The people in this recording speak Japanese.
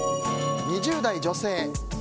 ２０代女性。